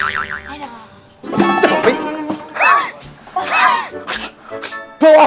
itu teh lo